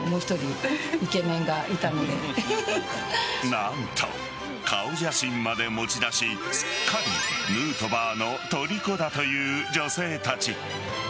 何と、顔写真まで持ち出しすっかりヌートバーのとりこだという女性たち。